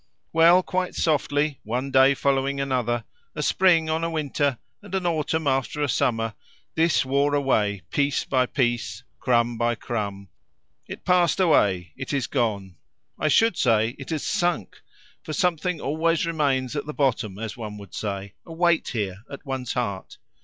Well, quite softly, one day following another, a spring on a winter, and an autumn after a summer, this wore away, piece by piece, crumb by crumb; it passed away, it is gone, I should say it has sunk; for something always remains at the bottom as one would say a weight here, at one's heart.